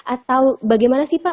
atau bagaimana sih pak